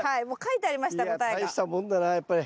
いや大したもんだなやっぱり。